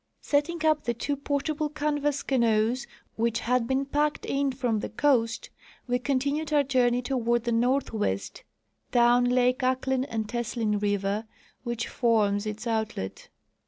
Setting up the two portable canvas canoes which had been packed in from the coast, we continued our journey toward the northwest, down lake Ahklen and Teslin river, which forms its outlet.